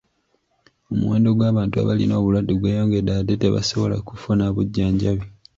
Omuwendo gw'abantu abalina obulwadde gweyongedde ate tebasobola kufuna bujjanjabi.